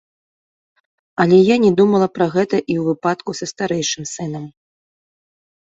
Але я не думала пра гэта і ў выпадку са старэйшым сынам.